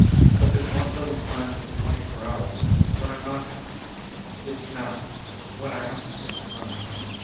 But there's one little time in the twenty four hours when I'm not happy. It's now, when I have to say good night.